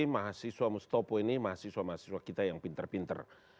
mahasiswa mustopo ini mahasiswa mahasiswa kita yang pinter pinter